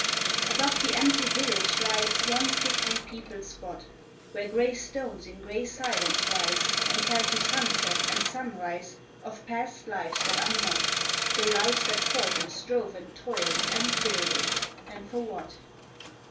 Above the empty village lies One thickly peopled spot, Where gray stones in gray silence rise, And tell to sunset and sunrise Of past lives that are not, The lives that fought and strove and toiled And builded. And for what